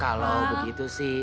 kalau begitu sih